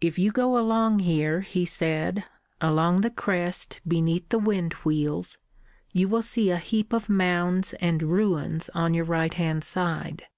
"If you go along here," he said, "along the crest beneath the wind wheels, you will see a heap of mounds and ruins on your right hand side.